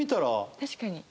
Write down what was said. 確かに。